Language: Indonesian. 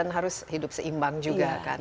kan harus hidup seimbang juga kan